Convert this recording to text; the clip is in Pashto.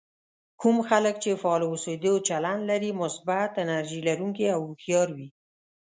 کوم خلک چې فعال اوسېدو چلند لري مثبت، انرژي لرونکي او هوښيار وي.